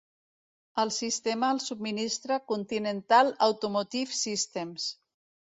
El sistema el subministra Continental Automotive Systems.